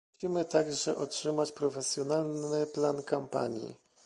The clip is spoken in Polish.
Musimy także otrzymać bardziej profesjonalny plan kampanii